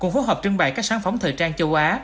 cũng phối hợp trưng bày các sản phẩm thời trang châu á